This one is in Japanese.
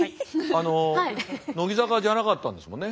あの乃木坂じゃなかったんですもんね？